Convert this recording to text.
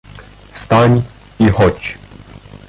"Wstań i chodź!"